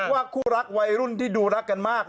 ว่าคู่รักวัยรุ่นที่ดูรักกันมาก